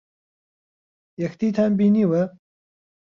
یەکدیتان بینیوە؟